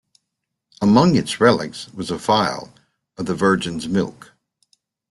Among its relics was a phial of the Virgin's milk.